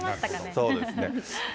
そうですね。